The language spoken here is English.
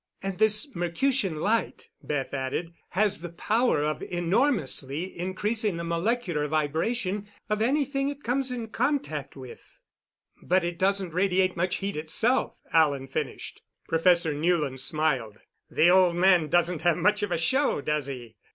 "And this Mercutian Light," Beth added, "has the power of enormously increasing the molecular vibration of anything it comes in contact with " "But it doesn't radiate much heat itself," Alan finished. Professor Newland smiled. "The old man doesn't have much of a show, does he?"